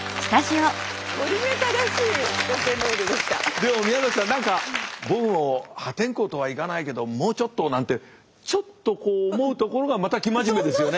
でも宮崎さん何か僕も破天荒とはいかないけどもうちょっとなんてちょっとこう思うところがまた生真面目ですよね。